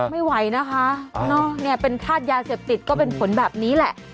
ไม่ไหวนะคะเนี่ยเป็นธาตุยาเสพติดก็เป็นผลแบบนี้แหละ